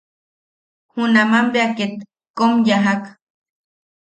Junaman bea ket kom yajak.